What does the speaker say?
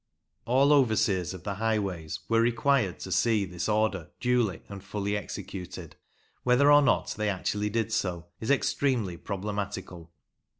All overseers of the Highways were required to see this order duly and fully executed. Whether or not they actually did so is extremely problematical.